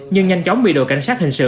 nhưng nhanh chóng bị đội cảnh sát hình sự